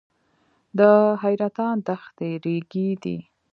د حیرتان دښتې ریګي دي